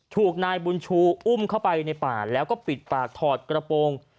ถูกนายบุญชูอุ้มเข้าไปในป่าแล้วก็ปิดปากถอดกระโปรง